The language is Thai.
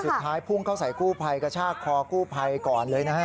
สุดท้ายพุ่งเขาใส่กู้ไพกระชากคอกู้ไพก่อนเลยนะ